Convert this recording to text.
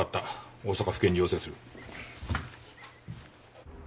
大阪府警に要請する。